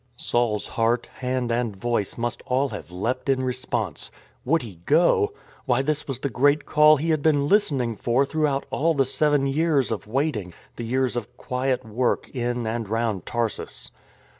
" Saul's heart, hand and voice must all have leapt in response. Would he go? Why, this was the great call he had been listening for throughout all the seven years of waiting, the years of quiet work in and round Tarsus.